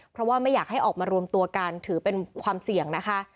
เพราะว่าไม่อยากให้ออกมารวมตัวกันถือเป็นความเสี่ยงนะคะ